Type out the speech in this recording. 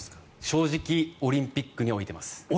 正直オリンピックに置いてます。